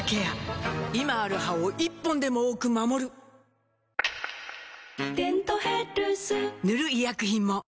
今ある歯を１本でも多く守る「デントヘルス」塗る医薬品も